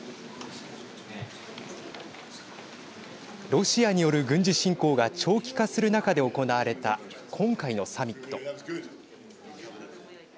ロシアによる軍事侵攻が長期化する中で行われた今回のサミット。